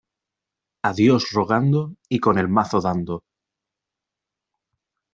A Dios rogando y con el mazo dando.